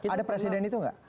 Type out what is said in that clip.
ada presiden itu nggak